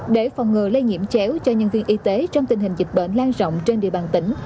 để phòng ngừa lây nhiễm chéo cho nhân viên y tế trong tình hình dịch bệnh lan rộng trên địa bàn tỉnh